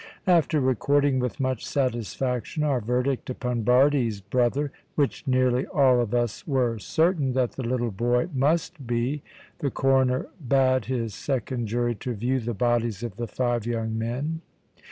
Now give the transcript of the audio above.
After recording with much satisfaction our verdict upon Bardie's brother which nearly all of us were certain that the little boy must be the Coroner bade his second jury to view the bodies of the five young men.